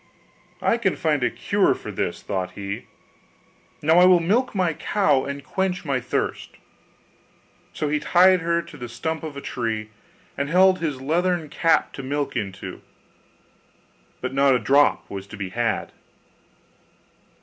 'I can find a cure for this,' thought he; 'now I will milk my cow and quench my thirst': so he tied her to the stump of a tree, and held his leathern cap to milk into; but not a drop was to be had.